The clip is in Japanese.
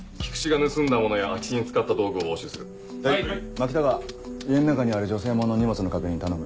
牧高家の中にある女性物の荷物の確認頼む。